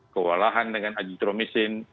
kewalahan dengan aditromisin